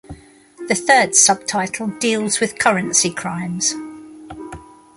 The third subtitle deals with currency crimes.